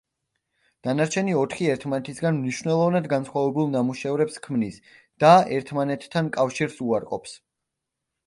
დანარჩენი ოთხი ერთმანეთისგან მნიშვნელოვნად განსხვავებულ ნამუშევრებს ქმნის და ერთმანეთთან კავშირს უარყოფს.